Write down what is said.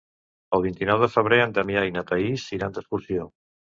El vint-i-nou de febrer en Damià i na Thaís iran d'excursió.